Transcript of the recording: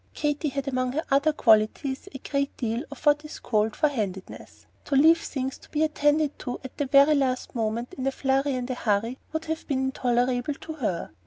Katy had among her other qualities a great deal of what is called "forehandedness." To leave things to be attended to at the last moment in a flurry and a hurry would have been intolerable to her.